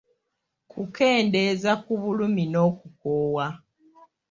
Kukendeeza ku bulumi n’okukoowa.